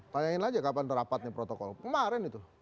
tanyain saja kapan terapatnya protokol kemarin itu